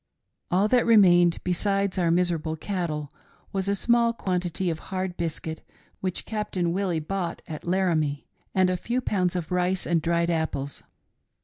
All that remained, besides our miserable cattle, was a small quantity of hard biscuit which Captain Willie bought at Laramie, and a few pounds of rice and dried apples.